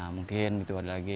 mungkin gitu ada lagi